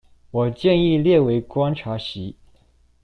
我建議列為觀察席